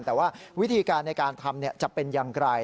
แต่ว่าวิธีการในการทำจะเป็นอย่างไร